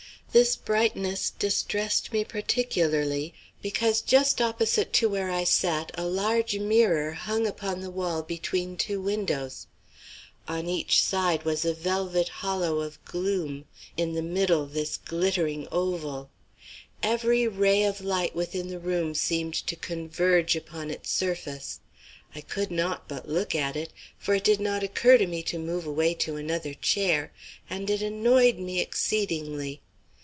This brightness distressed me particularly, because just opposite to where I sat a large mirror hung upon the wall between two windows. On each side was a velvet hollow of gloom, in the middle this glittering oval. Every ray of light within the room seemed to converge upon its surface. I could not but look at it for it did not occur to me to move away to another chair and it annoyed me exceedingly.